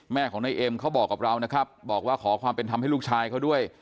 แม่ของนายเอ็มเขาบอกกับเรานะครับบอกว่าขอความเป็นธรรมให้ลูกชายเขาด้วย